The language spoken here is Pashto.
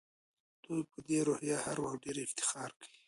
دوی په دې روحیه هر وخت ډېر افتخار کوي.